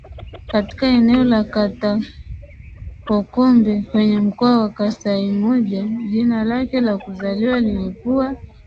katika eneo la Katakokombe kwenye Mkoa wa Kasaimoja Jina lake la kuzaliwa lilikuwa